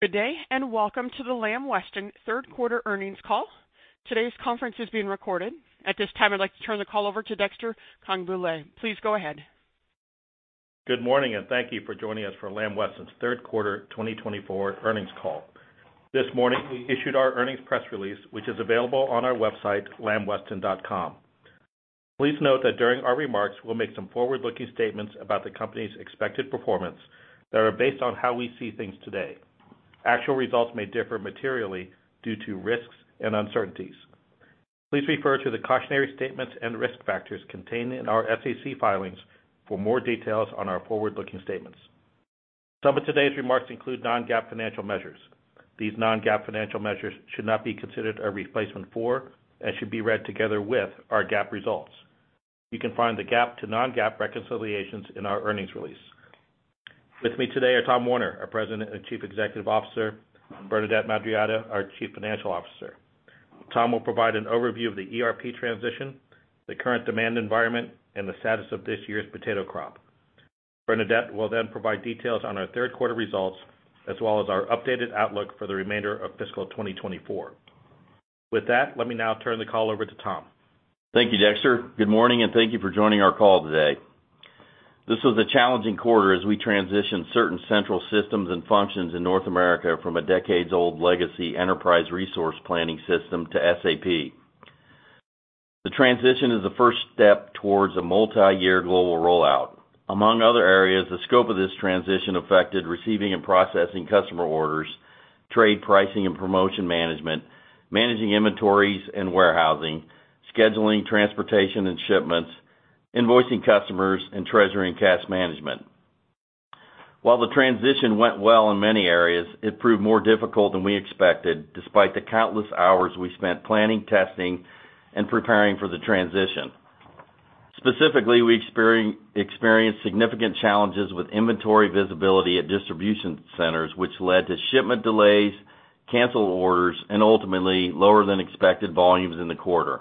Good day and welcome to the Lamb Weston third quarter earnings call. Today's conference is being recorded. At this time, I'd like to turn the call over to Dexter Congbalay. Please go ahead. Good morning and thank you for joining us for Lamb Weston's third quarter 2024 earnings call. This morning we issued our earnings press release, which is available on our website lambweston.com. Please note that during our remarks we'll make some forward-looking statements about the company's expected performance that are based on how we see things today. Actual results may differ materially due to risks and uncertainties. Please refer to the cautionary statements and risk factors contained in our SEC filings for more details on our forward-looking statements. Some of today's remarks include non-GAAP financial measures. These non-GAAP financial measures should not be considered a replacement for and should be read together with our GAAP results. You can find the GAAP to non-GAAP reconciliations in our earnings release. With me today are Tom Werner, our President and Chief Executive Officer, and Bernadette Madarieta, our Chief Financial Officer. Tom will provide an overview of the ERP transition, the current demand environment, and the status of this year's potato crop. Bernadette will then provide details on our third quarter results as well as our updated outlook for the remainder of fiscal 2024. With that, let me now turn the call over to Tom. Thank you, Dexter. Good morning and thank you for joining our call today. This was a challenging quarter as we transitioned certain central systems and functions in North America from a decades-old legacy enterprise resource planning system to SAP. The transition is the first step towards a multi-year global rollout. Among other areas, the scope of this transition affected receiving and processing customer orders, trade pricing and promotion management, managing inventories and warehousing, scheduling transportation and shipments, invoicing customers, and treasury and cash management. While the transition went well in many areas, it proved more difficult than we expected despite the countless hours we spent planning, testing, and preparing for the transition. Specifically, we experienced significant challenges with inventory visibility at distribution centers, which led to shipment delays, canceled orders, and ultimately lower-than-expected volumes in the quarter.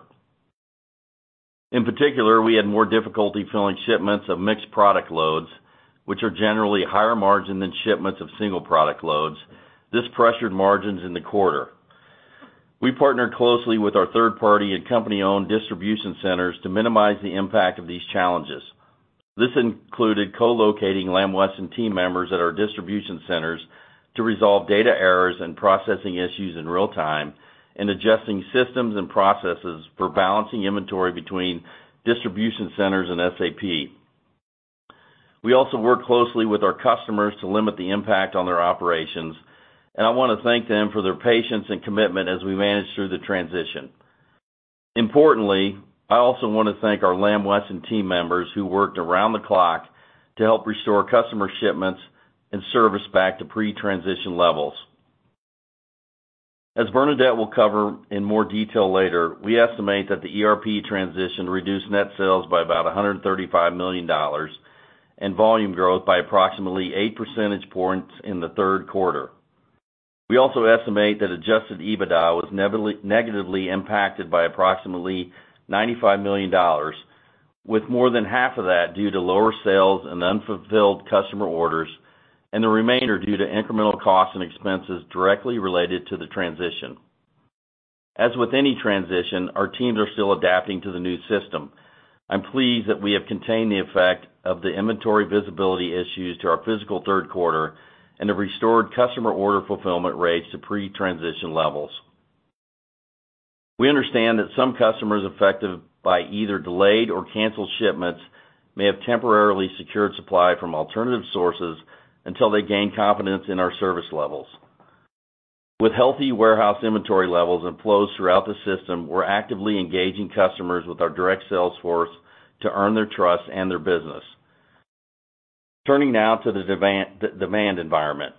In particular, we had more difficulty filling shipments of mixed product loads, which are generally higher margin than shipments of single product loads. This pressured margins in the quarter. We partnered closely with our third-party and company-owned distribution centers to minimize the impact of these challenges. This included co-locating Lamb Weston team members at our distribution centers to resolve data errors and processing issues in real time and adjusting systems and processes for balancing inventory between distribution centers and SAP. We also worked closely with our customers to limit the impact on their operations, and I want to thank them for their patience and commitment as we managed through the transition. Importantly, I also want to thank our Lamb Weston team members who worked around the clock to help restore customer shipments and service back to pre-transition levels. As Bernadette will cover in more detail later, we estimate that the ERP transition reduced net sales by about $135 million and volume growth by approximately 8 percentage points in the third quarter. We also estimate that adjusted EBITDA was negatively impacted by approximately $95 million, with more than half of that due to lower sales and unfulfilled customer orders and the remainder due to incremental costs and expenses directly related to the transition. As with any transition, our teams are still adapting to the new system. I'm pleased that we have contained the effect of the inventory visibility issues to our fiscal third quarter and have restored customer order fulfillment rates to pre-transition levels. We understand that some customers affected by either delayed or canceled shipments may have temporarily secured supply from alternative sources until they gain confidence in our service levels. With healthy warehouse inventory levels and flows throughout the system, we're actively engaging customers with our direct sales force to earn their trust and their business. Turning now to the demand environment.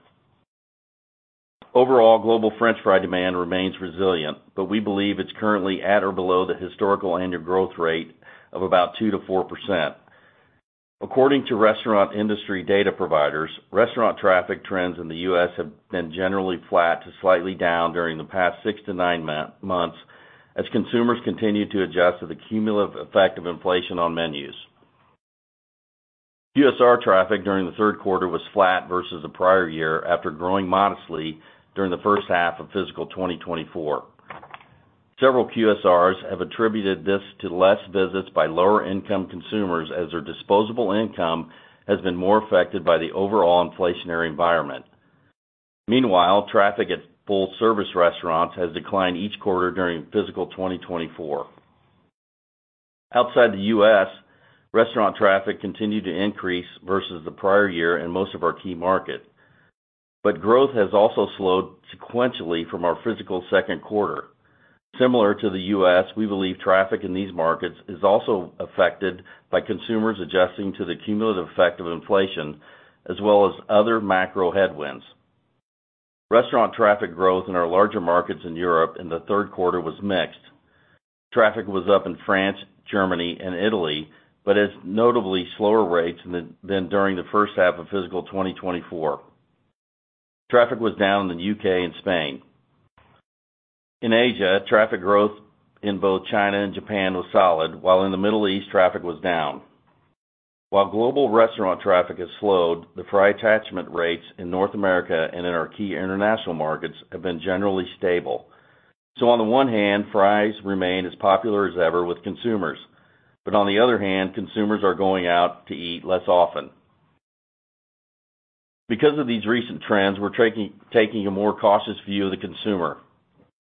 Overall, global French fry demand remains resilient, but we believe it's currently at or below the historical annual growth rate of about 2%-4%. According to restaurant industry data providers, restaurant traffic trends in the U.S. have been generally flat to slightly down during the past 6-9 months as consumers continue to adjust to the cumulative effect of inflation on menus. QSR traffic during the third quarter was flat versus the prior year after growing modestly during the first half of fiscal 2024. Several QSRs have attributed this to less visits by lower-income consumers as their disposable income has been more affected by the overall inflationary environment. Meanwhile, traffic at full-service restaurants has declined each quarter during fiscal 2024. Outside the U.S., restaurant traffic continued to increase versus the prior year in most of our key markets, but growth has also slowed sequentially from our fiscal second quarter. Similar to the U.S., we believe traffic in these markets is also affected by consumers adjusting to the cumulative effect of inflation as well as other macro headwinds. Restaurant traffic growth in our larger markets in Europe in the third quarter was mixed. Traffic was up in France, Germany, and Italy but at notably slower rates than during the first half of fiscal 2024. Traffic was down in the U.K. and Spain. In Asia, traffic growth in both China and Japan was solid, while in the Middle East, traffic was down. While global restaurant traffic has slowed, the fry attachment rates in North America and in our key international markets have been generally stable. So on the one hand, fries remain as popular as ever with consumers, but on the other hand, consumers are going out to eat less often. Because of these recent trends, we're taking a more cautious view of the consumer.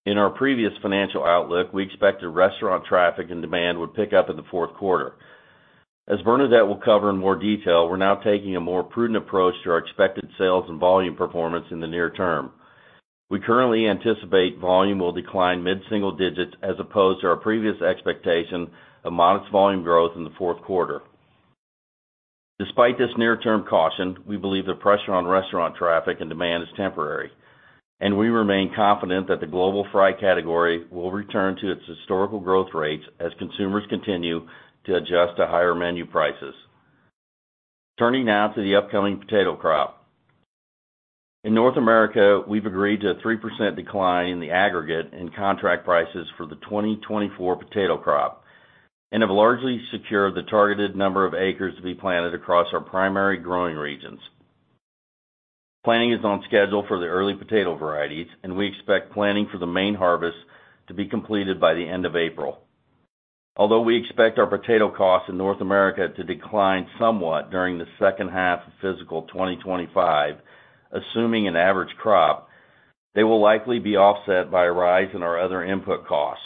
In our previous financial outlook, we expected restaurant traffic and demand would pick up in the fourth quarter. As Bernadette will cover in more detail, we're now taking a more prudent approach to our expected sales and volume performance in the near term. We currently anticipate volume will decline mid-single digits as opposed to our previous expectation of modest volume growth in the fourth quarter. Despite this near-term caution, we believe the pressure on restaurant traffic and demand is temporary, and we remain confident that the global fry category will return to its historical growth rates as consumers continue to adjust to higher menu prices. Turning now to the upcoming potato crop. In North America, we've agreed to a 3% decline in the aggregate and contract prices for the 2024 potato crop and have largely secured the targeted number of acres to be planted across our primary growing regions. Planting is on schedule for the early potato varieties, and we expect planting for the main harvest to be completed by the end of April. Although we expect our potato costs in North America to decline somewhat during the second half of fiscal 2025, assuming an average crop, they will likely be offset by a rise in our other input costs.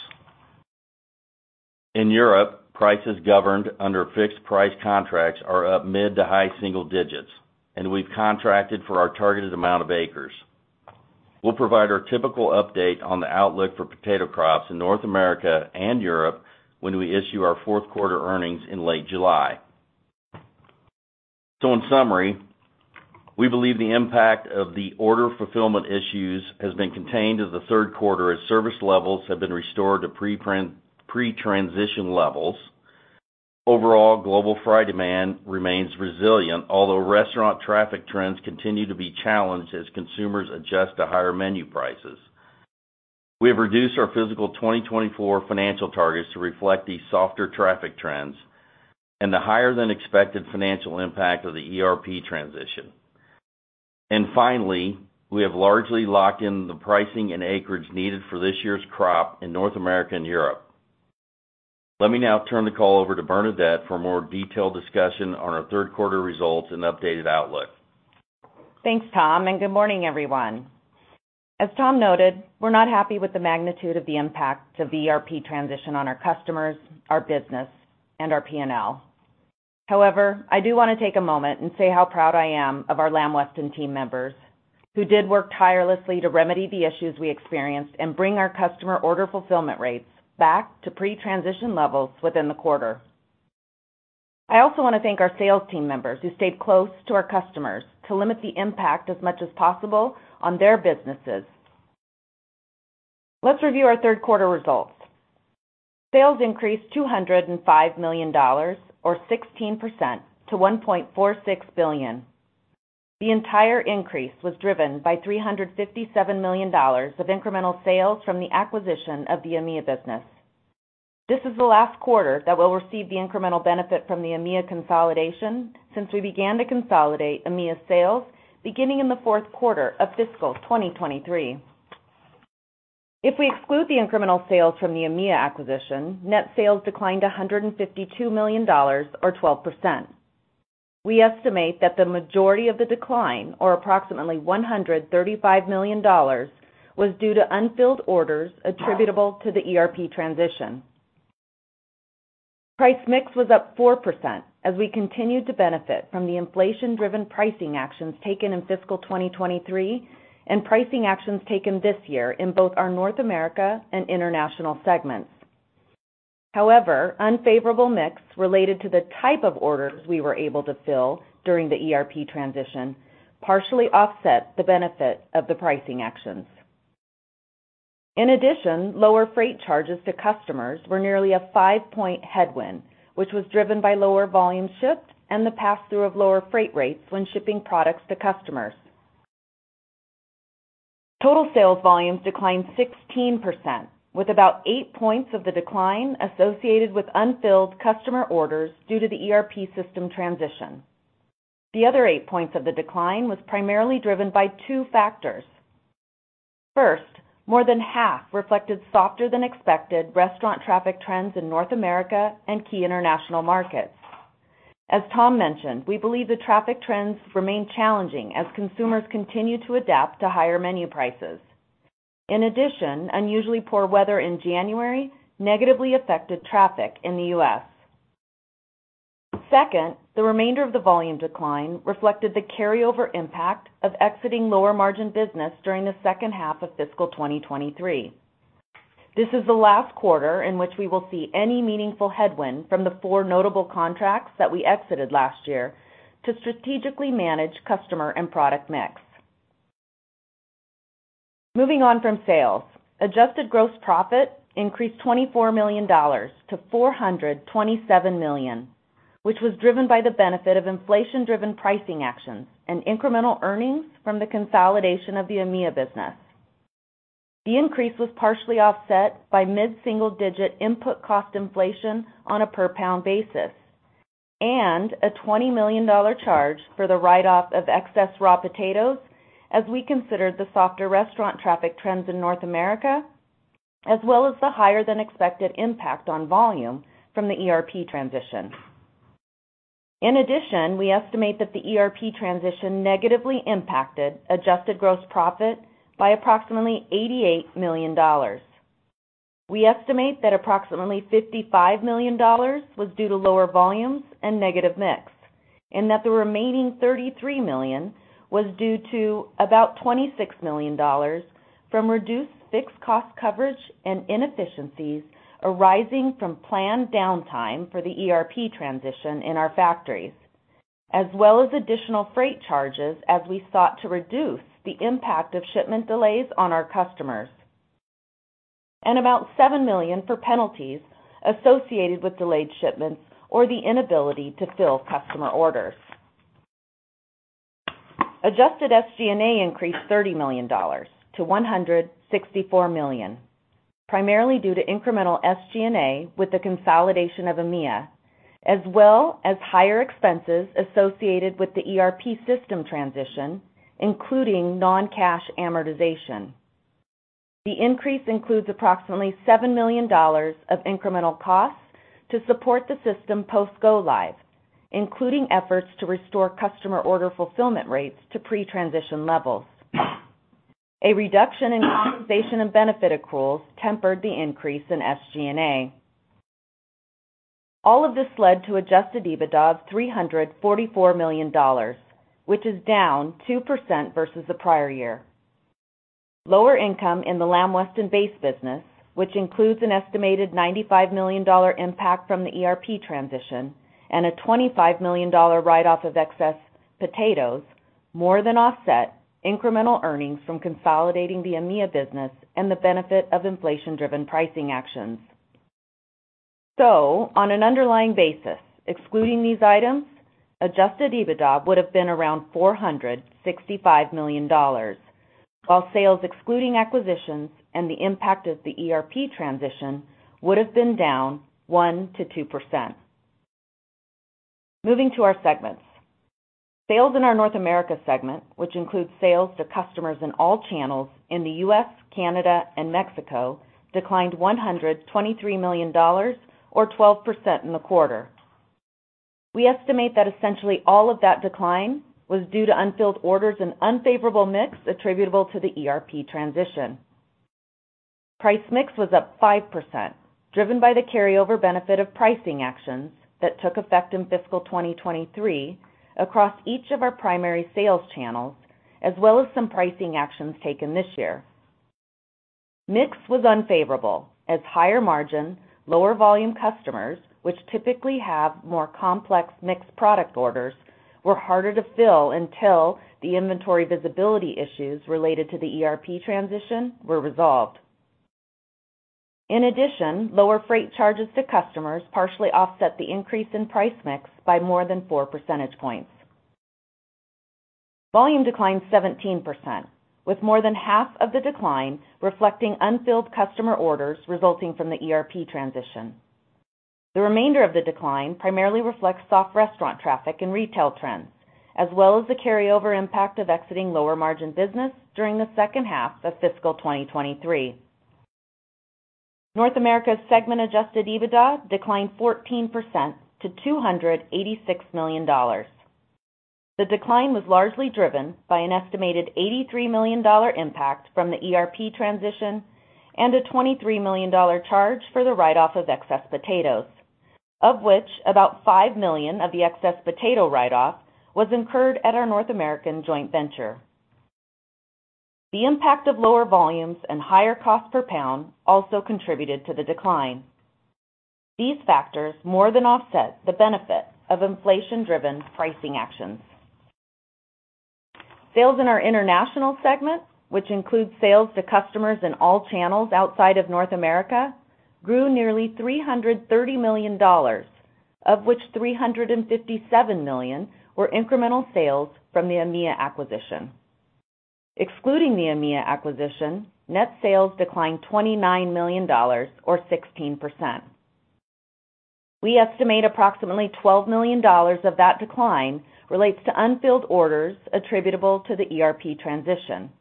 In Europe, prices governed under fixed price contracts are up mid to high single digits, and we've contracted for our targeted amount of acres. We'll provide our typical update on the outlook for potato crops in North America and Europe when we issue our fourth quarter earnings in late July. In summary, we believe the impact of the order fulfillment issues has been contained to the third quarter as service levels have been restored to pre-transition levels. Overall, global fry demand remains resilient, although restaurant traffic trends continue to be challenged as consumers adjust to higher menu prices. We have reduced our fiscal 2024 financial targets to reflect these softer traffic trends and the higher-than-expected financial impact of the ERP transition. Finally, we have largely locked in the pricing and acreage needed for this year's crop in North America and Europe. Let me now turn the call over to Bernadette for a more detailed discussion on our third quarter results and updated outlook. Thanks, Tom, and good morning, everyone. As Tom noted, we're not happy with the magnitude of the impact of the ERP transition on our customers, our business, and our P&L. However, I do want to take a moment and say how proud I am of our Lamb Weston team members who did work tirelessly to remedy the issues we experienced and bring our customer order fulfillment rates back to pre-transition levels within the quarter. I also want to thank our sales team members who stayed close to our customers to limit the impact as much as possible on their businesses. Let's review our third quarter results. Sales increased $205 million or 16% to $1.46 billion. The entire increase was driven by $357 million of incremental sales from the acquisition of the AMEA business. This is the last quarter that will receive the incremental benefit from the AMEA consolidation since we began to consolidate AMEA sales beginning in the fourth quarter of fiscal 2023. If we exclude the incremental sales from the AMEA acquisition, net sales declined to $152 million or 12%. We estimate that the majority of the decline, or approximately $135 million, was due to unfilled orders attributable to the ERP transition. Price mix was up 4% as we continued to benefit from the inflation-driven pricing actions taken in fiscal 2023 and pricing actions taken this year in both our North America and international segments. However, unfavorable mix related to the type of orders we were able to fill during the ERP transition partially offset the benefit of the pricing actions. In addition, lower freight charges to customers were nearly a 5-point headwind, which was driven by lower volume shipped and the pass-through of lower freight rates when shipping products to customers. Total sales volumes declined 16%, with about 8 points of the decline associated with unfilled customer orders due to the ERP system transition. The other 8 points of the decline was primarily driven by two factors. First, more than half reflected softer-than-expected restaurant traffic trends in North America and key international markets. As Tom mentioned, we believe the traffic trends remain challenging as consumers continue to adapt to higher menu prices. In addition, unusually poor weather in January negatively affected traffic in the U.S. Second, the remainder of the volume decline reflected the carryover impact of exiting lower-margin business during the second half of fiscal 2023. This is the last quarter in which we will see any meaningful headwind from the four notable contracts that we exited last year to strategically manage customer and product mix. Moving on from sales, adjusted gross profit increased $24 million to $427 million, which was driven by the benefit of inflation-driven pricing actions and incremental earnings from the consolidation of the AMEA business. The increase was partially offset by mid-single digit input cost inflation on a per-pound basis and a $20 million charge for the write-off of excess raw potatoes as we considered the softer restaurant traffic trends in North America, as well as the higher-than-expected impact on volume from the ERP transition. In addition, we estimate that the ERP transition negatively impacted adjusted gross profit by approximately $88 million. We estimate that approximately $55 million was due to lower volumes and negative mix, and that the remaining $33 million was due to about $26 million from reduced fixed cost coverage and inefficiencies arising from planned downtime for the ERP transition in our factories, as well as additional freight charges as we sought to reduce the impact of shipment delays on our customers, and about $7 million for penalties associated with delayed shipments or the inability to fill customer orders. Adjusted SG&A increased $30 million to $164 million, primarily due to incremental SG&A with the consolidation of AMEA, as well as higher expenses associated with the ERP system transition, including non-cash amortization. The increase includes approximately $7 million of incremental costs to support the system post-go live, including efforts to restore customer order fulfillment rates to pre-transition levels. A reduction in compensation and benefit accruals tempered the increase in SG&A. All of this led to adjusted EBITDA of $344 million, which is down 2% versus the prior year. Lower income in the Lamb Weston base business, which includes an estimated $95 million impact from the ERP transition and a $25 million write-off of excess potatoes, more than offset incremental earnings from consolidating the AMEA business and the benefit of inflation-driven pricing actions. So on an underlying basis, excluding these items, adjusted EBITDA would have been around $465 million, while sales excluding acquisitions and the impact of the ERP transition would have been down 1%-2%. Moving to our segments. Sales in our North America segment, which includes sales to customers in all channels in the U.S., Canada, and Mexico, declined $123 million or 12% in the quarter. We estimate that essentially all of that decline was due to unfilled orders and unfavorable mix attributable to the ERP transition. Price mix was up 5%, driven by the carryover benefit of pricing actions that took effect in fiscal 2023 across each of our primary sales channels, as well as some pricing actions taken this year. Mix was unfavorable as higher-margin, lower-volume customers, which typically have more complex mixed product orders, were harder to fill until the inventory visibility issues related to the ERP transition were resolved. In addition, lower freight charges to customers partially offset the increase in price mix by more than 4 percentage points. Volume declined 17%, with more than half of the decline reflecting unfilled customer orders resulting from the ERP transition. The remainder of the decline primarily reflects soft restaurant traffic and retail trends, as well as the carryover impact of exiting lower-margin business during the second half of fiscal 2023. North America's segment-adjusted EBITDA declined 14% to $286 million. The decline was largely driven by an estimated $83 million impact from the ERP transition and a $23 million charge for the write-off of excess potatoes, of which about $5 million of the excess potato write-off was incurred at our North American joint venture. The impact of lower volumes and higher cost per pound also contributed to the decline. These factors more than offset the benefit of inflation-driven pricing actions. Sales in our international segment, which includes sales to customers in all channels outside of North America, grew nearly $330 million, of which $357 million were incremental sales from the AMEA acquisition. Excluding the AMEA acquisition, net sales declined $29 million or 16%. We estimate approximately $12 million of that decline relates to unfilled orders attributable to the ERP transition.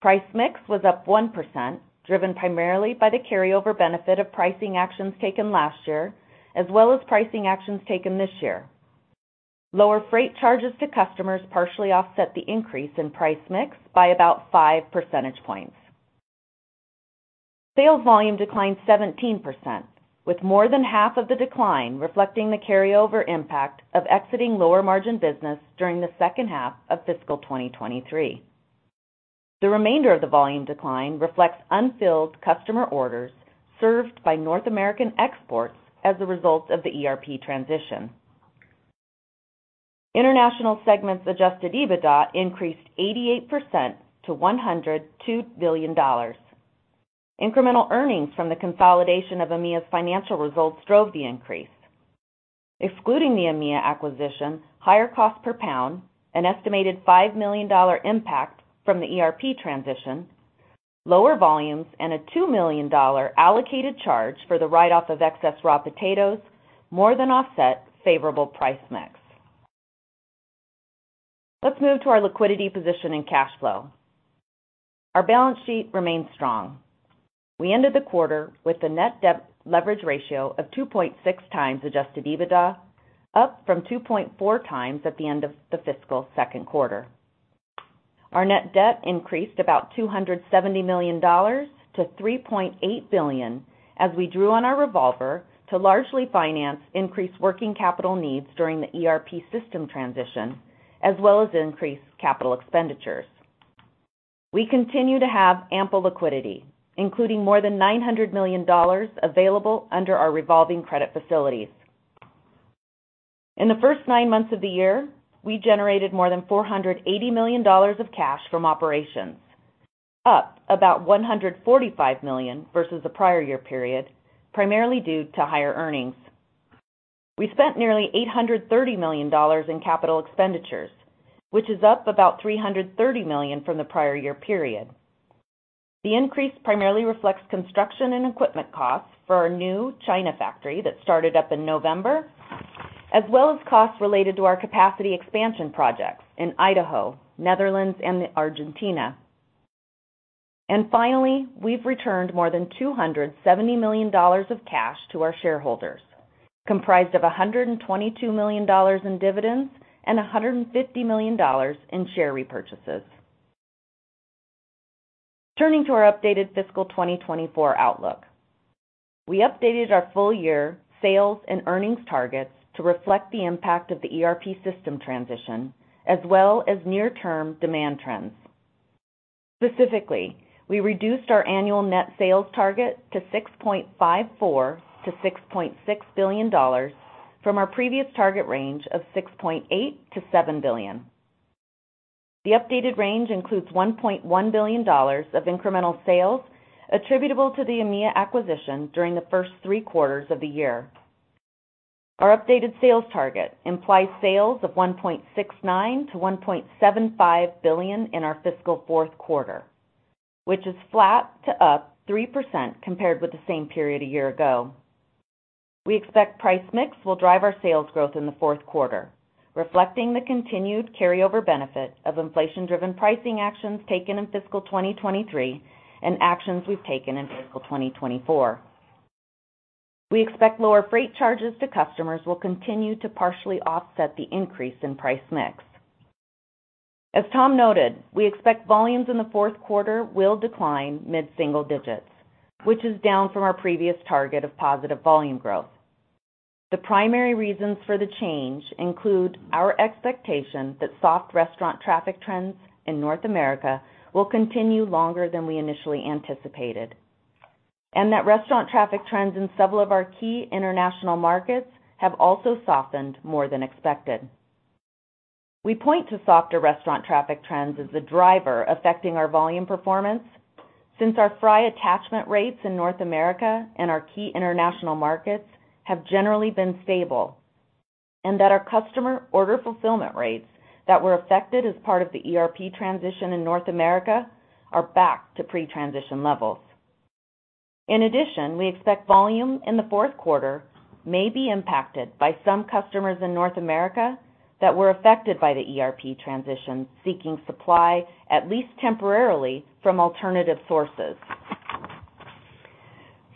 Price mix was up 1%, driven primarily by the carryover benefit of pricing actions taken last year, as well as pricing actions taken this year. Lower freight charges to customers partially offset the increase in price mix by about 5 percentage points. Sales volume declined 17%, with more than half of the decline reflecting the carryover impact of exiting lower-margin business during the second half of fiscal 2023. The remainder of the volume decline reflects unfilled customer orders served by North American exports as a result of the ERP transition. International segments' adjusted EBITDA increased 88% to $102 billion. Incremental earnings from the consolidation of AMEA's financial results drove the increase. Excluding the AMEA acquisition, higher cost per pound, an estimated $5 million impact from the ERP transition, lower volumes, and a $2 million allocated charge for the write-off of excess raw potatoes more than offset favorable price mix. Let's move to our liquidity position and cash flow. Our balance sheet remains strong. We ended the quarter with a net debt leverage ratio of 2.6 times Adjusted EBITDA, up from 2.4 times at the end of the fiscal second quarter. Our net debt increased about $270 million to $3.8 billion as we drew on our revolver to largely finance increased working capital needs during the ERP system transition, as well as increased capital expenditures. We continue to have ample liquidity, including more than $900 million available under our revolving credit facilities. In the first nine months of the year, we generated more than $480 million of cash from operations, up about $145 million versus the prior year period, primarily due to higher earnings. We spent nearly $830 million in capital expenditures, which is up about $330 million from the prior year period. The increase primarily reflects construction and equipment costs for our new China factory that started up in November, as well as costs related to our capacity expansion projects in Idaho, Netherlands, and Argentina. Finally, we've returned more than $270 million of cash to our shareholders, comprised of $122 million in dividends and $150 million in share repurchases. Turning to our updated fiscal 2024 outlook. We updated our full-year sales and earnings targets to reflect the impact of the ERP system transition, as well as near-term demand trends. Specifically, we reduced our annual net sales target to $6.54-$6.6 billion from our previous target range of $6.8-$7 billion. The updated range includes $1.1 billion of incremental sales attributable to the AMEA acquisition during the first three quarters of the year. Our updated sales target implies sales of $1.69-$1.75 billion in our fiscal fourth quarter, which is flat to up 3% compared with the same period a year ago. We expect price mix will drive our sales growth in the fourth quarter, reflecting the continued carryover benefit of inflation-driven pricing actions taken in fiscal 2023 and actions we've taken in fiscal 2024. We expect lower freight charges to customers will continue to partially offset the increase in price mix. As Tom noted, we expect volumes in the fourth quarter will decline mid-single digits, which is down from our previous target of positive volume growth. The primary reasons for the change include our expectation that soft restaurant traffic trends in North America will continue longer than we initially anticipated, and that restaurant traffic trends in several of our key international markets have also softened more than expected. We point to softer restaurant traffic trends as the driver affecting our volume performance since our fry attachment rates in North America and our key international markets have generally been stable, and that our customer order fulfillment rates that were affected as part of the ERP transition in North America are back to pre-transition levels. In addition, we expect volume in the fourth quarter may be impacted by some customers in North America that were affected by the ERP transition seeking supply, at least temporarily, from alternative sources.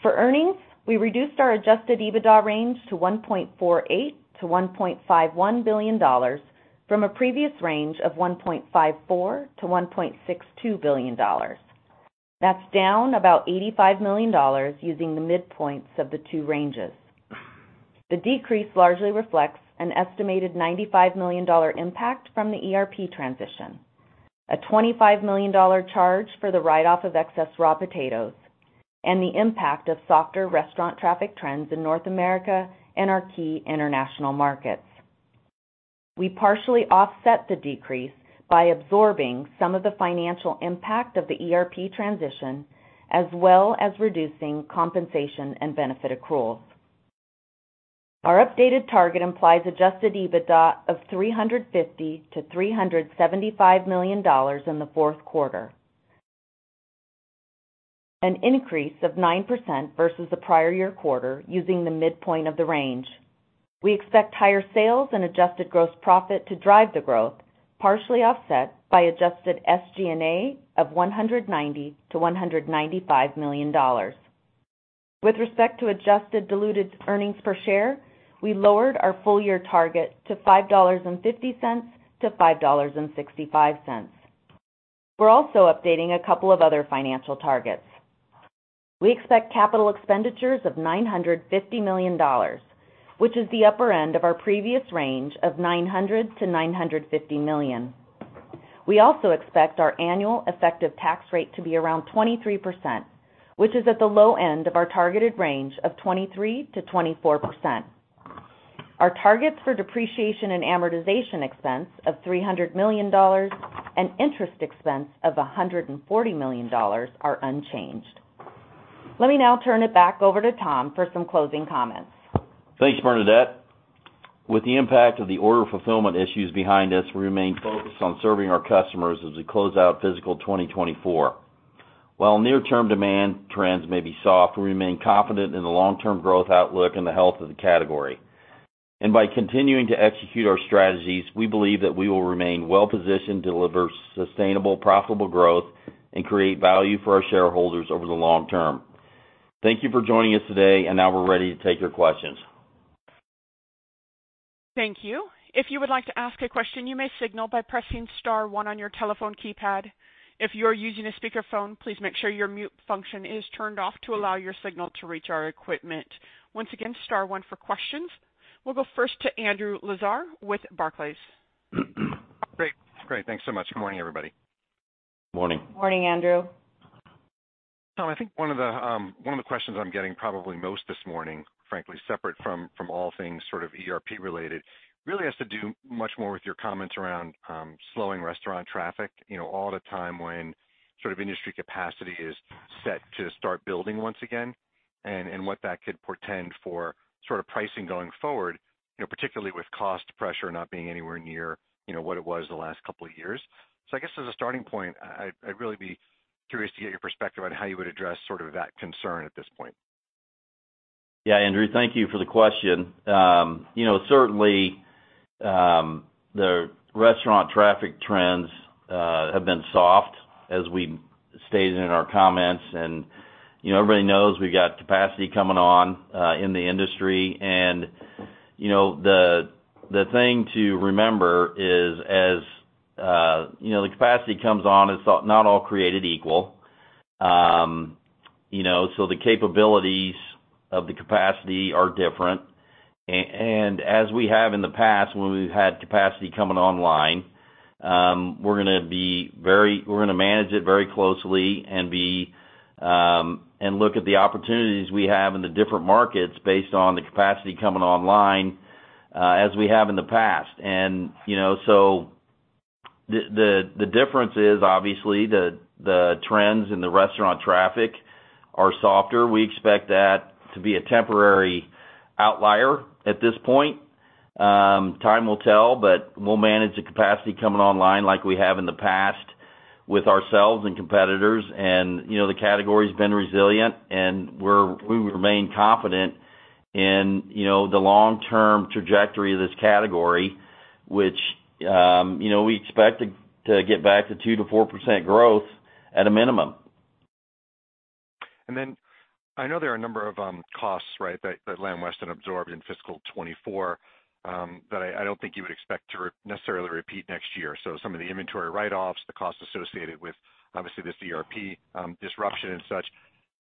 For earnings, we reduced our Adjusted EBITDA range to $1.48-$1.51 billion from a previous range of $1.54-$1.62 billion. That's down about $85 million using the midpoints of the two ranges. The decrease largely reflects an estimated $95 million impact from the ERP transition, a $25 million charge for the write-off of excess raw potatoes, and the impact of softer restaurant traffic trends in North America and our key international markets. We partially offset the decrease by absorbing some of the financial impact of the ERP transition, as well as reducing compensation and benefit accruals. Our updated target implies adjusted EBITDA of $350-$375 million in the fourth quarter, an increase of 9% versus the prior year quarter using the midpoint of the range. We expect higher sales and adjusted gross profit to drive the growth, partially offset by adjusted SG&A of $190-$195 million. With respect to adjusted diluted earnings per share, we lowered our full-year target to $5.50-$5.65. We're also updating a couple of other financial targets. We expect capital expenditures of $950 million, which is the upper end of our previous range of $900-$950 million. We also expect our annual effective tax rate to be around 23%, which is at the low end of our targeted range of 23%-24%. Our targets for depreciation and amortization expense of $300 million and interest expense of $140 million are unchanged. Let me now turn it back over to Tom for some closing comments. Thanks, Bernadette. With the impact of the order fulfillment issues behind us, we remain focused on serving our customers as we close out fiscal 2024. While near-term demand trends may be soft, we remain confident in the long-term growth outlook and the health of the category. And by continuing to execute our strategies, we believe that we will remain well-positioned to deliver sustainable, profitable growth and create value for our shareholders over the long term. Thank you for joining us today, and now we're ready to take your questions. Thank you. If you would like to ask a question, you may signal by pressing star one on your telephone keypad. If you are using a speakerphone, please make sure your mute function is turned off to allow your signal to reach our equipment. Once again, star one for questions. We'll go first to Andrew Lazar with Barclays. Great. Great. Thanks so much. Good morning, everybody. Morning. Morning, Andrew. Tom, I think one of the questions I'm getting probably most this morning, frankly, separate from all things sort of ERP-related, really has to do much more with your comments around slowing restaurant traffic all the time when sort of industry capacity is set to start building once again and what that could portend for sort of pricing going forward, particularly with cost pressure not being anywhere near what it was the last couple of years. So I guess as a starting point, I'd really be curious to get your perspective on how you would address sort of that concern at this point? Yeah, Andrew. Thank you for the question. Certainly, the restaurant traffic trends have been soft, as we stated in our comments. And everybody knows we've got capacity coming on in the industry. The thing to remember is, as the capacity comes on, it's not all created equal. The capabilities of the capacity are different. As we have in the past when we've had capacity coming online, we're going to manage it very closely and look at the opportunities we have in the different markets based on the capacity coming online as we have in the past. The difference is, obviously, the trends in the restaurant traffic are softer. We expect that to be a temporary outlier at this point. Time will tell, but we'll manage the capacity coming online like we have in the past with ourselves and competitors. The category's been resilient, and we remain confident in the long-term trajectory of this category, which we expect to get back to 2%-4% growth at a minimum. And then I know there are a number of costs, right, that Lamb Weston absorbed in fiscal 2024 that I don't think you would expect to necessarily repeat next year. So some of the inventory write-offs, the costs associated with, obviously, this ERP disruption and such.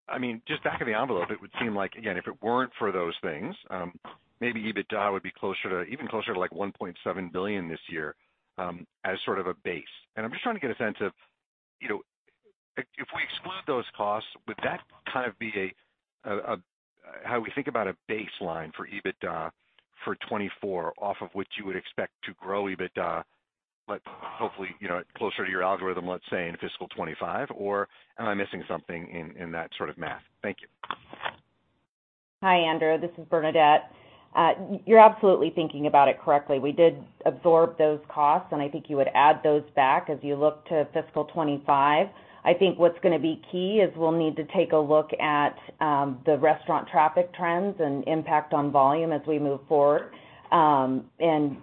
I mean, just back of the envelope, it would seem like, again, if it weren't for those things, maybe EBITDA would be even closer to $1.7 billion this year as sort of a base. And I'm just trying to get a sense of, if we exclude those costs, would that kind of be a how we think about a baseline for EBITDA for 2024 off of which you would expect to grow EBITDA, hopefully, closer to your algorithm, let's say, in fiscal 2025? Or am I missing something in that sort of math? Thank you. Hi, Andrew. This is Bernadette. You're absolutely thinking about it correctly. We did absorb those costs, and I think you would add those back as you look to fiscal 2025. I think what's going to be key is we'll need to take a look at the restaurant traffic trends and impact on volume as we move forward and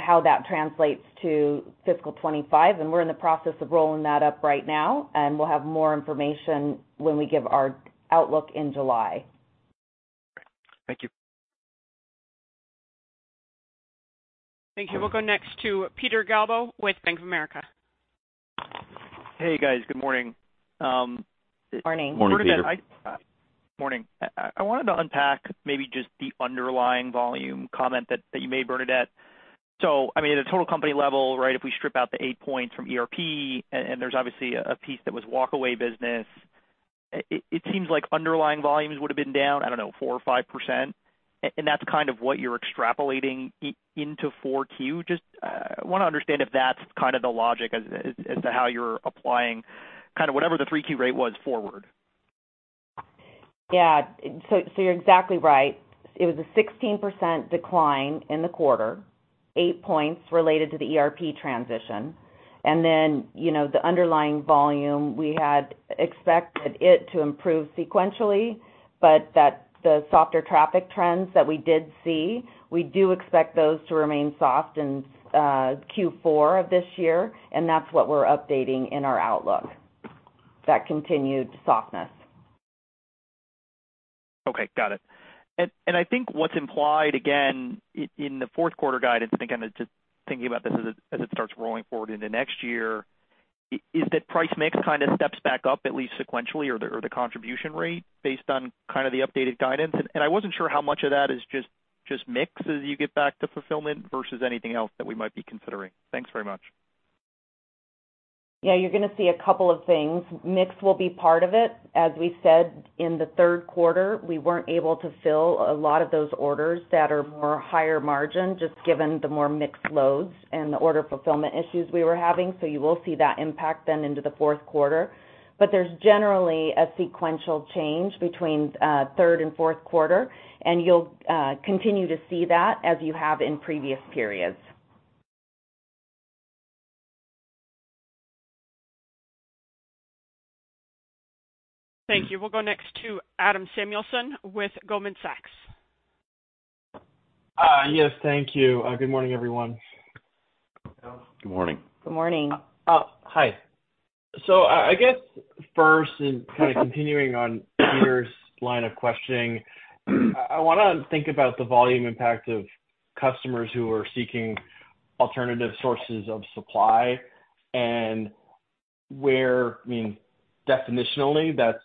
how that translates to fiscal 2025. And we're in the process of rolling that up right now, and we'll have more information when we give our outlook in July. Great. Thank you. Thank you. We'll go next to Peter Galbo with Bank of America. Hey, guys. Good morning. Morning. Morning, Peter. Morning. I wanted to unpack maybe just the underlying volume comment that you made, Bernadette. So I mean, at a total company level, right, if we strip out the 8 points from ERP, and there's obviously a piece that was walkaway business, it seems like underlying volumes would have been down, I don't know, 4% or 5%. And that's kind of what you're extrapolating into 4Q? Just want to understand if that's kind of the logic as to how you're applying kind of whatever the 3Q rate was forward. Yeah. So you're exactly right. It was a 16% decline in the quarter, 8 points related to the ERP transition. And then the underlying volume, we had expected it to improve sequentially, but the softer traffic trends that we did see, we do expect those to remain soft in Q4 of this year. And that's what we're updating in our outlook, that continued softness. Okay. Got it. And I think what's implied, again, in the fourth-quarter guidance, and again, just thinking about this as it starts rolling forward into next year, is that price mix kind of steps back up, at least sequentially, or the contribution rate based on kind of the updated guidance? And I wasn't sure how much of that is just mix as you get back to fulfillment versus anything else that we might be considering. Thanks very much. Yeah. You're going to see a couple of things. Mix will be part of it. As we said, in the third quarter, we weren't able to fill a lot of those orders that are more higher margin just given the more mixed loads and the order fulfillment issues we were having. So you will see that impact then into the fourth quarter. But there's generally a sequential change between third and fourth quarter, and you'll continue to see that as you have in previous periods. Thank you. We'll go next to Adam Samuelson with Goldman Sachs. Yes. Thank you. Good morning, everyone. Good morning. Good morning. Hi. So I guess first, and kind of continuing on Peter's line of questioning, I want to think about the volume impact of customers who are seeking alternative sources of supply and where, I mean, definitionally, that's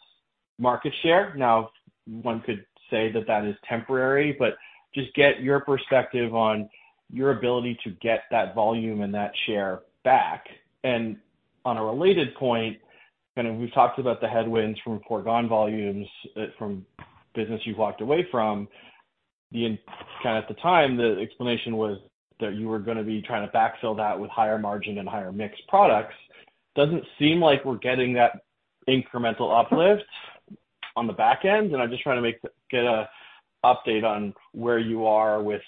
market share. Now, one could say that that is temporary, but just get your perspective on your ability to get that volume and that share back. And on a related point, kind of we've talked about the headwinds from foregone volumes from business you've walked away from. Kind of at the time, the explanation was that you were going to be trying to backfill that with higher margin and higher mixed products. Doesn't seem like we're getting that incremental uplift on the back end. And I'm just trying to get an update on where you are with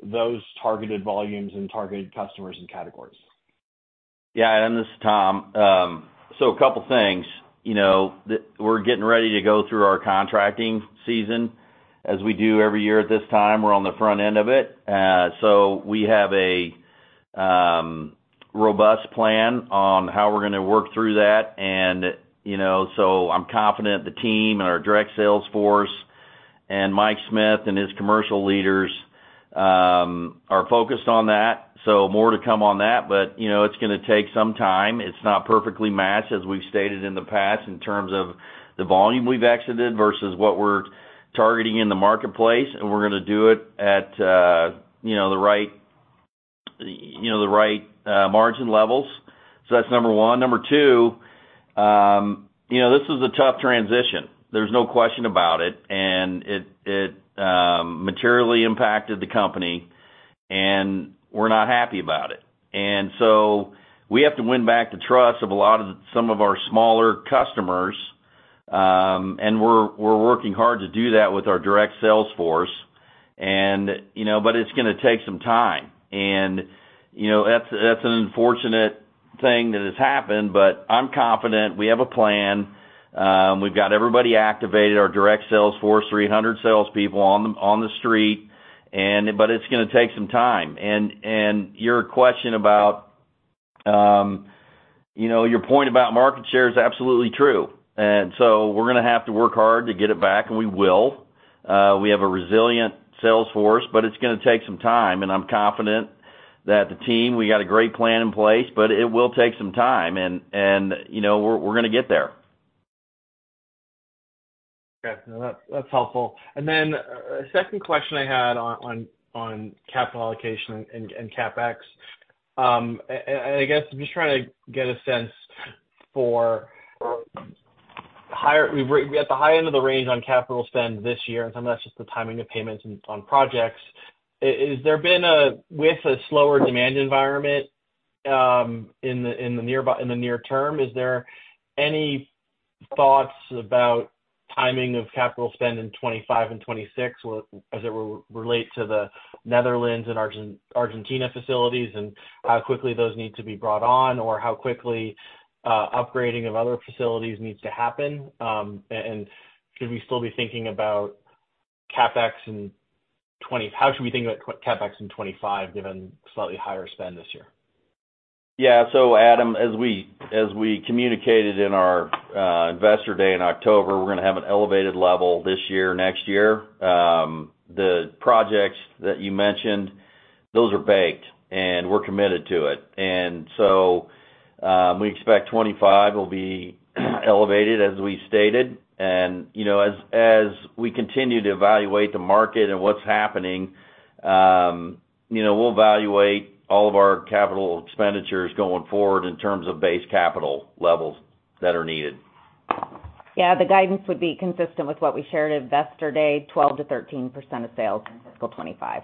those targeted volumes and targeted customers and categories. Yeah. And this is Tom. So a couple of things. We're getting ready to go through our contracting season. As we do every year at this time, we're on the front end of it. So we have a robust plan on how we're going to work through that. And so I'm confident the team and our direct sales force and Mike Smith and his commercial leaders are focused on that. So more to come on that, but it's going to take some time. It's not perfectly matched, as we've stated in the past, in terms of the volume we've exited versus what we're targeting in the marketplace. We're going to do it at the right margin levels. So that's number one. Number two, this was a tough transition. There's no question about it. It materially impacted the company, and we're not happy about it. So we have to win back the trust of some of our smaller customers. We're working hard to do that with our direct sales force. But it's going to take some time. That's an unfortunate thing that has happened, but I'm confident we have a plan. We've got everybody activated, our direct sales force, 300 salespeople on the street. But it's going to take some time. Your question about your point about market share is absolutely true. So we're going to have to work hard to get it back, and we will. We have a resilient sales force, but it's going to take some time. I'm confident that the team, we got a great plan in place, but it will take some time. We're going to get there. Okay. No, that's helpful. Then a second question I had on capital allocation and CapEx. I guess I'm just trying to get a sense for we're at the high end of the range on capital spend this year, and some of that's just the timing of payments on projects. Has there been, with a slower demand environment in the near term, is there any thoughts about timing of capital spend in 2025 and 2026 as it relates to the Netherlands and Argentina facilities and how quickly those need to be brought on or how quickly upgrading of other facilities needs to happen? And should we still be thinking about CapEx in 2024? How should we think about CapEx in 2025 given slightly higher spend this year? Yeah. So, Adam, as we communicated in our investor day in October, we're going to have an elevated level this year, next year. The projects that you mentioned, those are baked, and we're committed to it. And so we expect 2025 will be elevated, as we stated. And as we continue to evaluate the market and what's happening, we'll evaluate all of our capital expenditures going forward in terms of base capital levels that are needed. Yeah. The guidance would be consistent with what we shared investor day, 12%-13% of sales in fiscal 2025.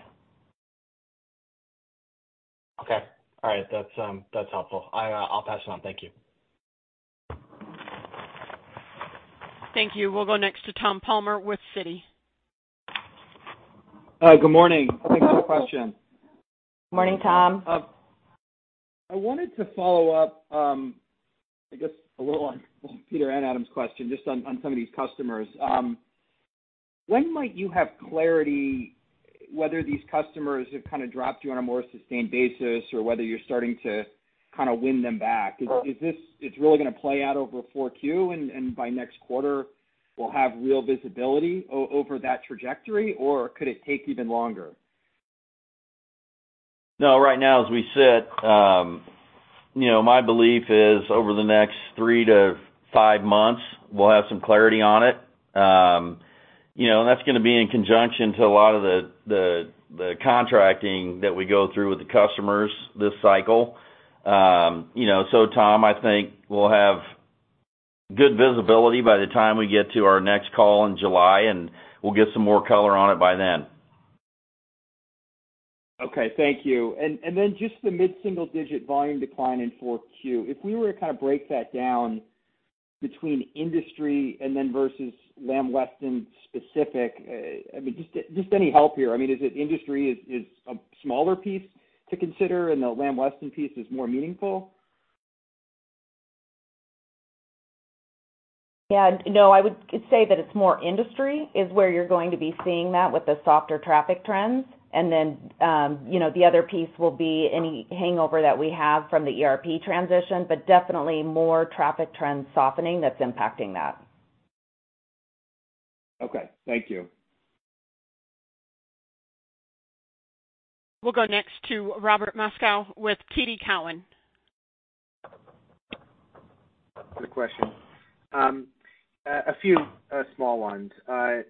Okay. All right. That's helpful. I'll pass it on. Thank you. Thank you. We'll go next to Tom Palmer with Citi. Good morning. Thanks for the question. Morning, Tom. I wanted to follow up, I guess, a little on Peter and Adam's question just on some of these customers. When might you have clarity whether these customers have kind of dropped you on a more sustained basis or whether you're starting to kind of win them back? Is it, it's really going to play out over 4Q, and by next quarter, we'll have real visibility over that trajectory, or could it take even longer? No. Right now, as we sit, my belief is over the next 3-5 months, we'll have some clarity on it. And that's going to be in conjunction to a lot of the contracting that we go through with the customers this cycle. So, Tom, I think we'll have good visibility by the time we get to our next call in July, and we'll get some more color on it by then. Okay. Thank you. And then just the mid-single-digit volume decline in 4Q, if we were to kind of break that down between industry and then versus Lamb Weston specific, I mean, just any help here. I mean, is it industry is a smaller piece to consider, and the Lamb Weston piece is more meaningful? Yeah. No. I would say that it's more industry is where you're going to be seeing that with the softer traffic trends. And then the other piece will be any hangover that we have from the ERP transition, but definitely more traffic trends softening that's impacting that. Okay. Thank you. We'll go next to Robert Moskow with TD Cowen. Good question. A few small ones. I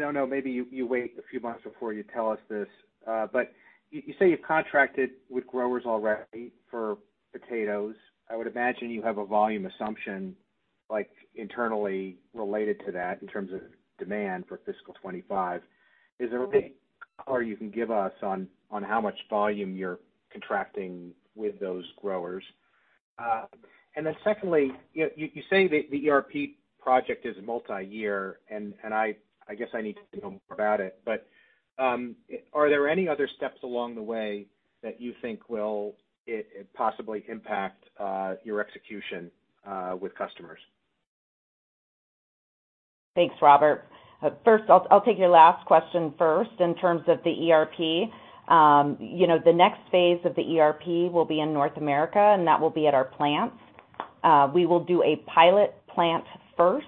don't know. Maybe you wait a few months before you tell us this. But you say you've contracted with growers already for potatoes. I would imagine you have a volume assumption internally related to that in terms of demand for fiscal 2025. Is there any color you can give us on how much volume you're contracting with those growers? And then secondly, you say the ERP project is multi-year, and I guess I need to know more about it. But are there any other steps along the way that you think will possibly impact your execution with customers? Thanks, Robert. First, I'll take your last question first in terms of the ERP. The next phase of the ERP will be in North America, and that will be at our plants. We will do a pilot plant first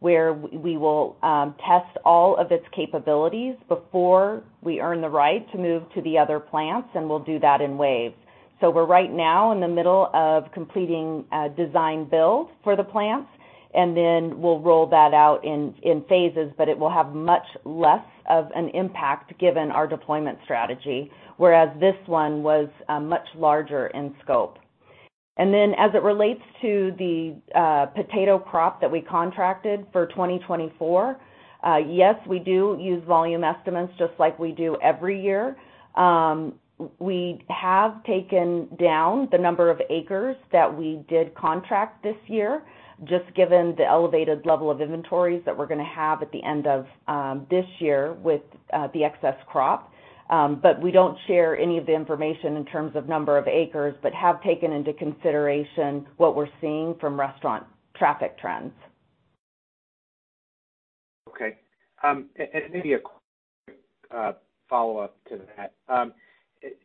where we will test all of its capabilities before we earn the right to move to the other plants, and we'll do that in waves. So we're right now in the middle of completing design build for the plants, and then we'll roll that out in phases, but it will have much less of an impact given our deployment strategy, whereas this one was much larger in scope. And then as it relates to the potato crop that we contracted for 2024, yes, we do use volume estimates just like we do every year. We have taken down the number of acres that we did contract this year just given the elevated level of inventories that we're going to have at the end of this year with the excess crop. But we don't share any of the information in terms of number of acres, but have taken into consideration what we're seeing from restaurant traffic trends. Okay. And maybe a quick follow-up to that.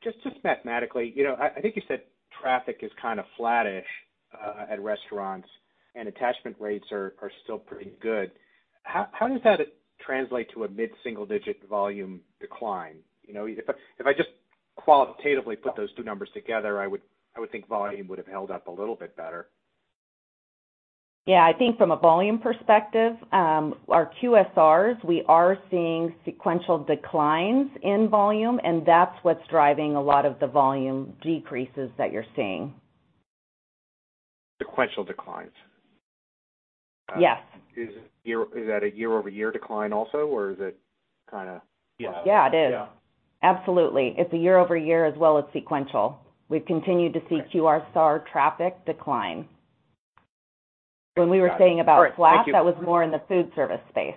Just mathematically, I think you said traffic is kind of flat-ish at restaurants, and attachment rates are still pretty good. How does that translate to a mid-single-digit volume decline? If I just qualitatively put those two numbers together, I would think volume would have held up a little bit better. Yeah. I think from a volume perspective, our QSRs, we are seeing sequential declines in volume, and that's what's driving a lot of the volume decreases that you're seeing. Sequential declines. Is that a year-over-year decline also, or is it kind of? Yeah. It is. Absolutely. It's a year-over-year as well. It's sequential. We've continued to see QSR traffic decline. When we were saying about flat, that was more in the food service space.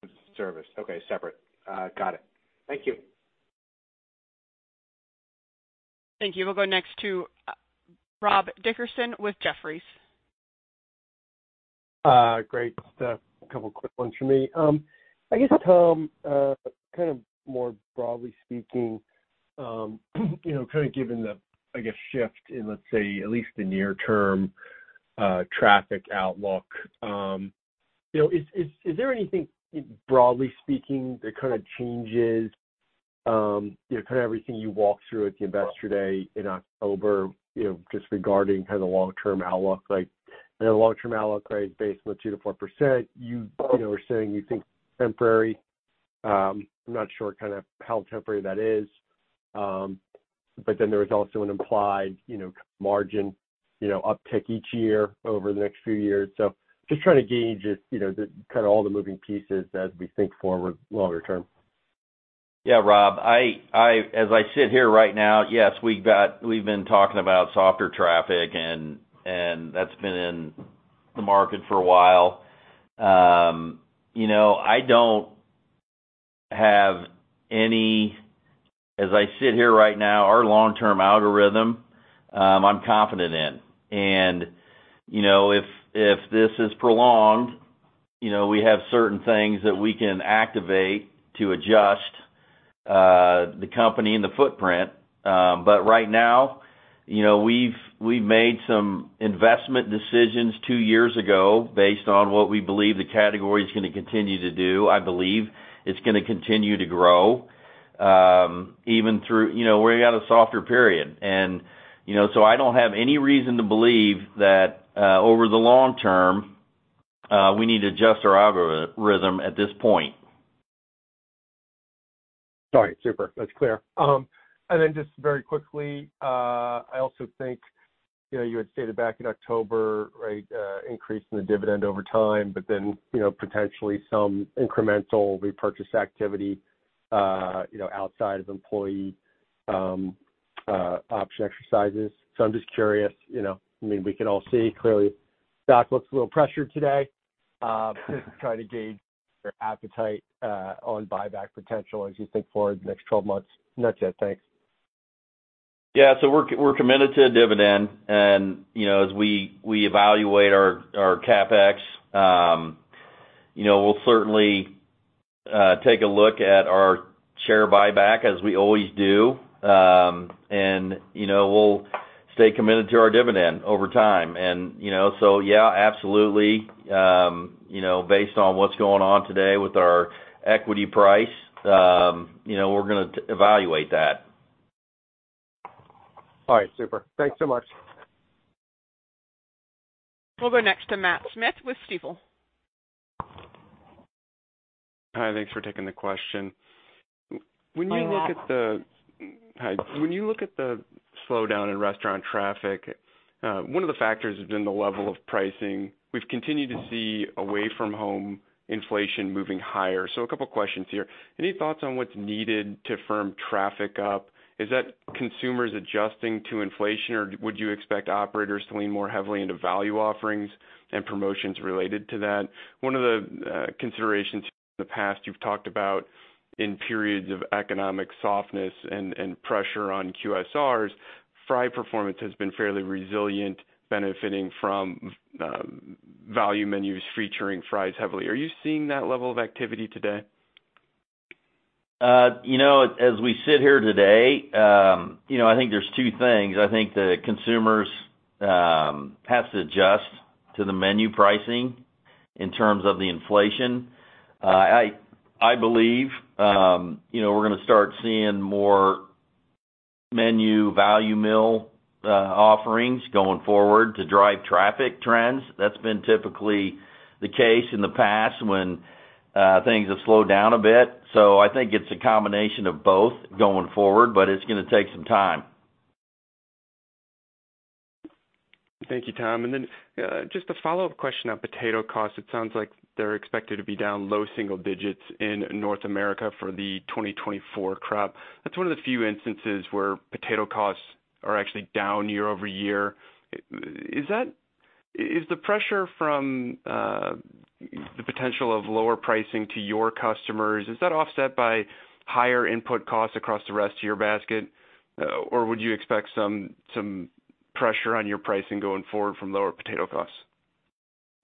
Food service. Okay. Separate. Got it. Thank you. Thank you. We'll go next to Rob Dickerson with Jefferies. Great. Just a couple of quick ones from me. I guess, Tom, kind of more broadly speaking, kind of given the, I guess, shift in, let's say, at least the near-term traffic outlook, is there anything, broadly speaking, that kind of changes kind of everything you walked through at the investor day in October just regarding kind of the long-term outlook? I know the long-term outlook rate is based on a 2%-4%. You were saying you think it's temporary. I'm not sure kind of how temporary that is. But then there was also an implied margin uptick each year over the next few years. So just trying to gauge kind of all the moving pieces as we think forward longer term. Yeah. Rob, as I sit here right now, yes, we've been talking about softer traffic, and that's been in the market for a while. I don't have any as I sit here right now, our long-term algorithm, I'm confident in. And if this is prolonged, we have certain things that we can activate to adjust the company and the footprint. But right now, we've made some investment decisions two years ago based on what we believe the category is going to continue to do. I believe it's going to continue to grow even through we're at a softer period. And so I don't have any reason to believe that over the long term, we need to adjust our algorithm at this point. All right. Super. That's clear. And then just very quickly, I also think you had stated back in October, right, increase in the dividend over time, but then potentially some incremental repurchase activity outside of employee option exercises. So I'm just curious. I mean, we can all see. Clearly, stock looks a little pressured today. Just trying to gauge your appetite on buyback potential as you think forward the next 12 months. Not yet. Thanks. Yeah. So we're committed to dividend. And as we evaluate our CapEx, we'll certainly take a look at our share buyback as we always do. And we'll stay committed to our dividend over time. And so, yeah, absolutely, based on what's going on today with our equity price, we're going to evaluate that. All right. Super. Thanks so much. We'll go next to Matt Smith with Stifel. Hi. Thanks for taking the question. When you look at the Hi. When you look at the slowdown in restaurant traffic, one of the factors has been the level of pricing. We've continued to see away-from-home inflation moving higher. So a couple of questions here. Any thoughts on what's needed to firm traffic up? Is that consumers adjusting to inflation, or would you expect operators to lean more heavily into value offerings and promotions related to that? One of the considerations here in the past, you've talked about in periods of economic softness and pressure on QSRs, fry performance has been fairly resilient, benefiting from value menus featuring fries heavily. Are you seeing that level of activity today? As we sit here today, I think there's two things. I think the consumers have to adjust to the menu pricing in terms of the inflation. I believe we're going to start seeing more menu value meal offerings going forward to drive traffic trends. That's been typically the case in the past when things have slowed down a bit. So I think it's a combination of both going forward, but it's going to take some time. Thank you, Tom. And then just a follow-up question on potato costs. It sounds like they're expected to be down low single digits in North America for the 2024 crop. That's one of the few instances where potato costs are actually down year-over-year. Is the pressure from the potential of lower pricing to your customers, is that offset by higher input costs across the rest of your basket, or would you expect some pressure on your pricing going forward from lower potato costs?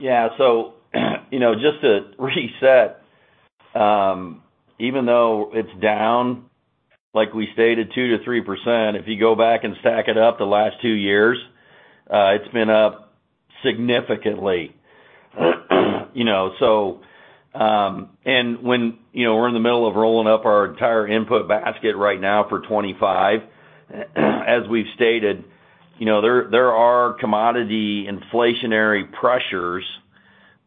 Yeah. So just to reset, even though it's down, like we stated, 2%-3%, if you go back and stack it up the last two years, it's been up significantly. And when we're in the middle of rolling up our entire input basket right now for 2025, as we've stated, there are commodity inflationary pressures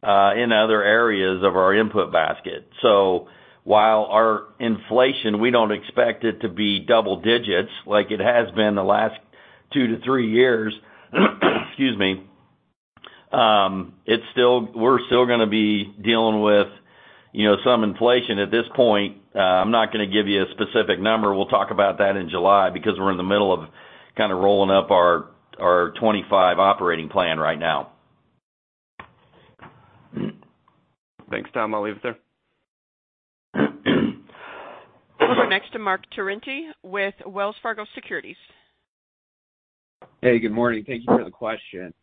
in other areas of our input basket. So while our inflation, we don't expect it to be double digits like it has been the last 2-3 years. Excuse me. We're still going to be dealing with some inflation at this point. I'm not going to give you a specific number. We'll talk about that in July because we're in the middle of kind of rolling up our 2025 operating plan right now. Thanks, Tom. I'll leave it there. We'll go next to Marc Turinti with Wells Fargo Securities. Hey. Good morning. Thank you for the question.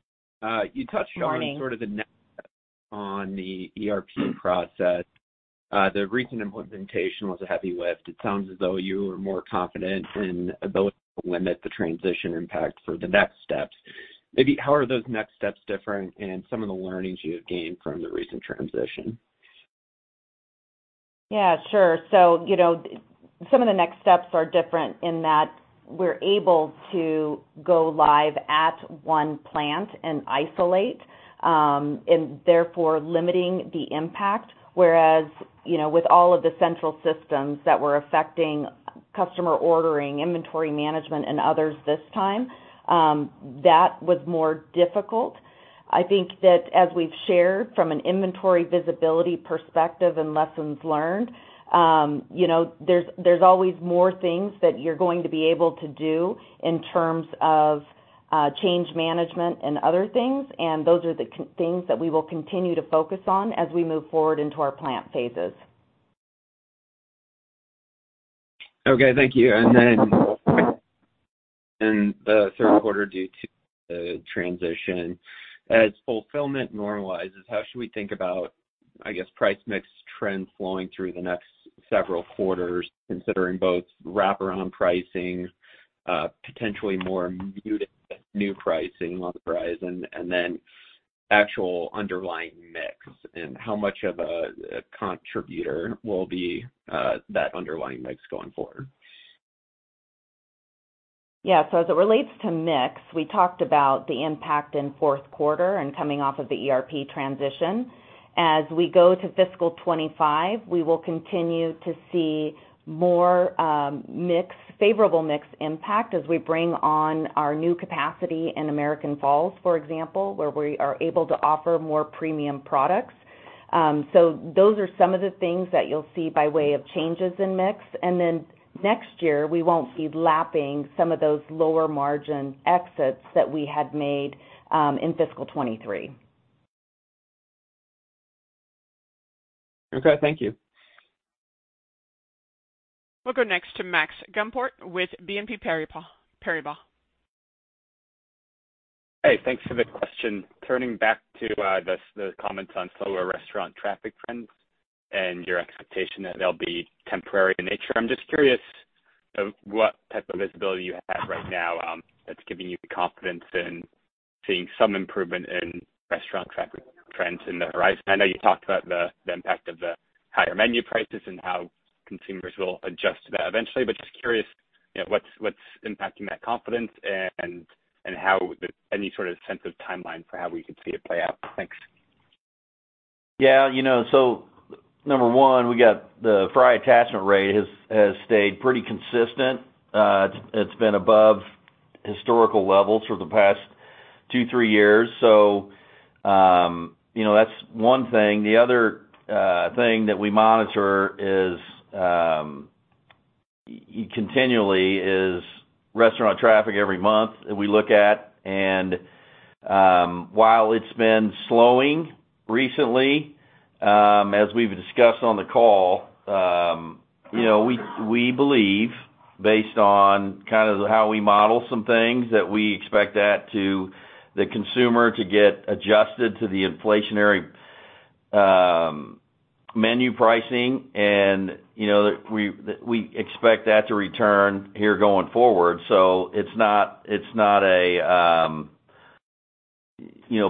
You touched on sort of the next steps on the ERP process. The recent implementation was a heavy lift. It sounds as though you were more confident in ability to limit the transition impact for the next steps. Maybe how are those next steps different and some of the learnings you have gained from the recent transition? Yeah. Sure. So some of the next steps are different in that we're able to go live at one plant and isolate, and therefore limiting the impact, whereas with all of the central systems that were affecting customer ordering, inventory management, and others this time, that was more difficult. I think that as we've shared from an inventory visibility perspective and lessons learned, there's always more things that you're going to be able to do in terms of change management and other things. And those are the things that we will continue to focus on as we move forward into our plant phases. Okay. Thank you. And then in the third quarter due to the transition, as fulfillment normalizes, how should we think about, I guess, price mix trends flowing through the next several quarters considering both wrap-around pricing, potentially more muted new pricing on the horizon, and then actual underlying mix? And how much of a contributor will be that underlying mix going forward? Yeah. So as it relates to mix, we talked about the impact in fourth quarter and coming off of the ERP transition. As we go to fiscal 2025, we will continue to see more favorable mix impact as we bring on our new capacity in American Falls, for example, where we are able to offer more premium products. So those are some of the things that you'll see by way of changes in mix. And then next year, we won't be lapping some of those lower-margin exits that we had made in fiscal 2023. Okay. Thank you. We'll go next to Max Gumport with BNP Paribas. Hey. Thanks for the question. Turning back to the comments on slower restaurant traffic trends and your expectation that they'll be temporary in nature, I'm just curious what type of visibility you have right now that's giving you confidence in seeing some improvement in restaurant traffic trends in the horizon. I know you talked about the impact of the higher menu prices and how consumers will adjust to that eventually, but just curious what's impacting that confidence and any sort of sense of timeline for how we could see it play out. Thanks. Yeah. So number one, we got the fry attachment rate has stayed pretty consistent. It's been above historical levels for the past 2, 3 years. So that's one thing. The other thing that we monitor continually is restaurant traffic, every month that we look at. And while it's been slowing recently, as we've discussed on the call, we believe, based on kind of how we model some things, that we expect the consumer to get adjusted to the inflationary menu pricing, and we expect that to return here going forward. So it's not a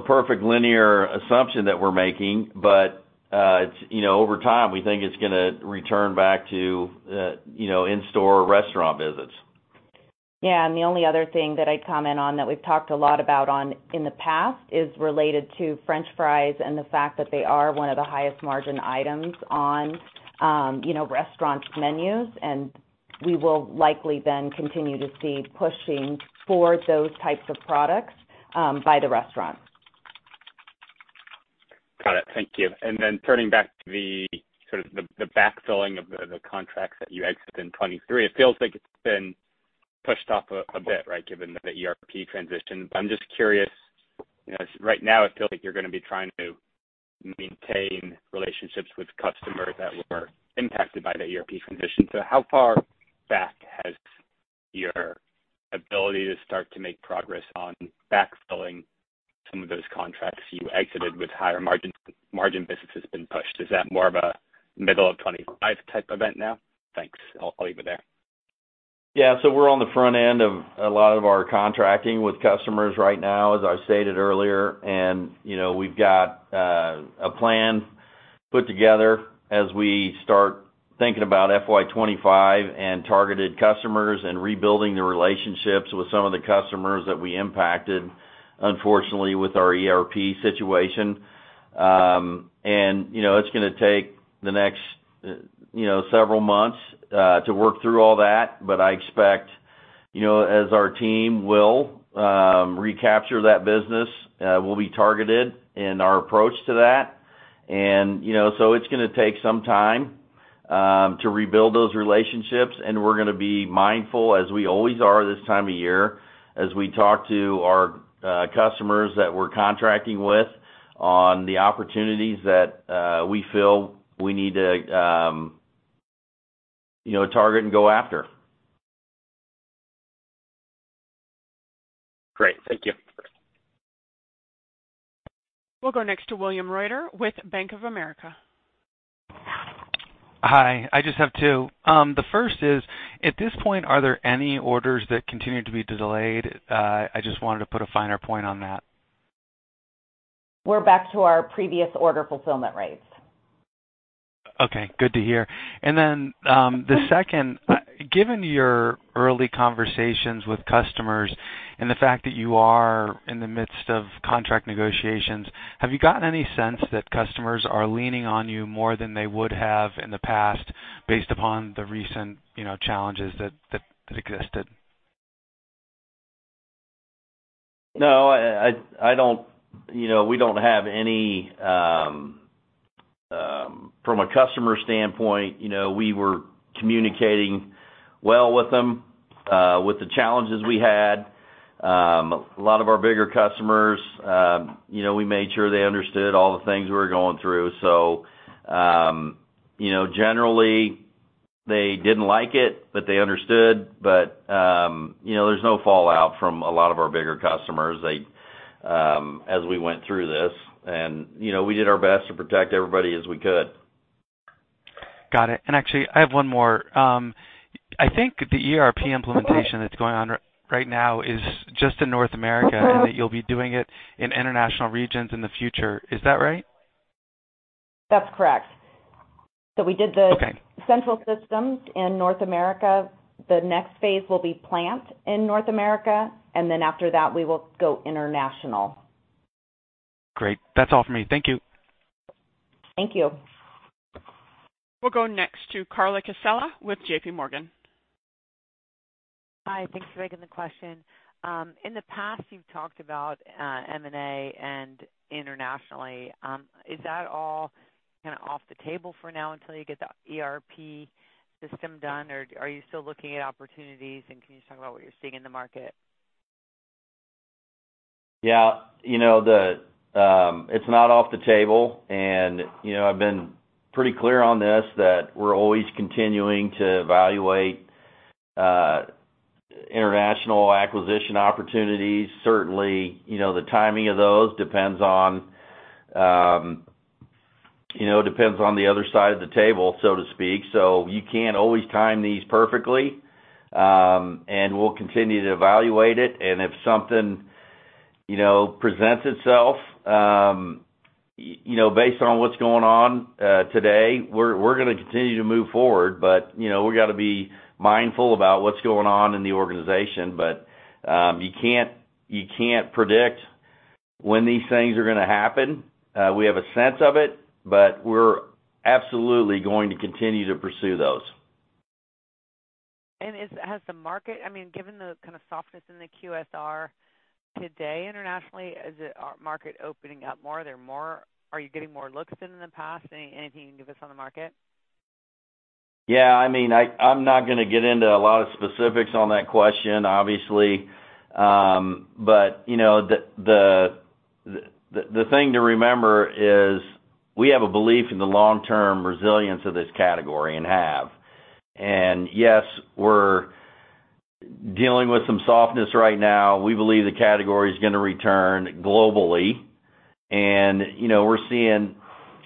perfect linear assumption that we're making, but over time, we think it's going to return back to in-store restaurant visits. Yeah. And the only other thing that I'd comment on that we've talked a lot about in the past is related to French fries and the fact that they are one of the highest-margin items on restaurants' menus. And we will likely then continue to see pushing for those types of products by the restaurants. Got it. Thank you. And then turning back to sort of the backfilling of the contracts that you exited in 2023, it feels like it's been pushed off a bit, right, given the ERP transition. But I'm just curious, right now, it feels like you're going to be trying to maintain relationships with customers that were impacted by the ERP transition. So how far back has your ability to start to make progress on backfilling some of those contracts you exited with higher-margin businesses been pushed? Is that more of a middle of 2025 type event now? Thanks. I'll leave it there. Yeah. So we're on the front end of a lot of our contracting with customers right now, as I stated earlier. And we've got a plan put together as we start thinking about FY25 and targeted customers and rebuilding the relationships with some of the customers that we impacted, unfortunately, with our ERP situation. And it's going to take the next several months to work through all that. But I expect, as our team will recapture that business, we'll be targeted in our approach to that. And so it's going to take some time to rebuild those relationships. And we're going to be mindful, as we always are this time of year, as we talk to our customers that we're contracting with on the opportunities that we feel we need to target and go after. Great. Thank you. We'll go next to William Reuter with Bank of America. Hi. I just have two. The first is, at this point, are there any orders that continue to be delayed? I just wanted to put a finer point on that. We're back to our previous order fulfillment rates. Okay. Good to hear. And then the second, given your early conversations with customers and the fact that you are in the midst of contract negotiations, have you gotten any sense that customers are leaning on you more than they would have in the past based upon the recent challenges that existed? No. We don't have any from a customer standpoint, we were communicating well with them with the challenges we had. A lot of our bigger customers, we made sure they understood all the things we were going through. So generally, they didn't like it, but they understood. But there's no fallout from a lot of our bigger customers as we went through this. And we did our best to protect everybody as we could. Got it. And actually, I have one more. I think the ERP implementation that's going on right now is just in North America and that you'll be doing it in international regions in the future. Is that right? That's correct. So we did the central systems in North America. The next phase will be plant in North America. And then after that, we will go international. Great. That's all for me. Thank you. Thank you. We'll go next to Carla Casella with JPMorgan. Hi. Thanks for taking the question. In the past, you've talked about M&A and internationally. Is that all kind of off the table for now until you get the ERP system done, or are you still looking at opportunities, and can you just talk about what you're seeing in the market? Yeah. It's not off the table. I've been pretty clear on this that we're always continuing to evaluate international acquisition opportunities. Certainly, the timing of those depends on the other side of the table, so to speak. So you can't always time these perfectly. We'll continue to evaluate it. And if something presents itself based on what's going on today, we're going to continue to move forward. But we've got to be mindful about what's going on in the organization. But you can't predict when these things are going to happen. We have a sense of it, but we're absolutely going to continue to pursue those. And has the market—I mean, given the kind of softness in the QSR today internationally, is the market opening up more? Are you getting more looks than in the past? Anything you can give us on the market? Yeah. I mean, I'm not going to get into a lot of specifics on that question, obviously. But the thing to remember is we have a belief in the long-term resilience of this category and have. And yes, we're dealing with some softness right now. We believe the category is going to return globally. And we're seeing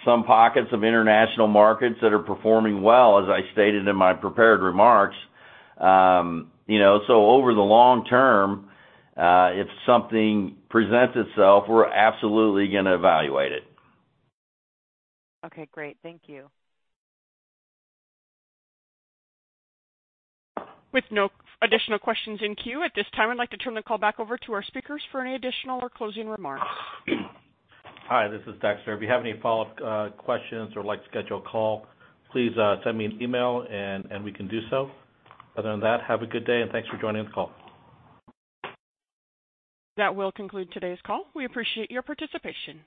some pockets of international markets that are performing well, as I stated in my prepared remarks. So over the long term, if something presents itself, we're absolutely going to evaluate it. Okay. Great. Thank you. With no additional questions in queue at this time, I'd like to turn the call back over to our speakers for any additional or closing remarks. Hi. This is Dexter. If you have any follow-up questions or would like to schedule a call, please send me an email, and we can do so. Other than that, have a good day, and thanks for joining the call. That will conclude today's call. We appreciate your participation.